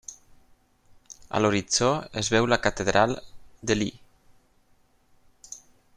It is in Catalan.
A l'horitzó es veu la Catedral d'Ely.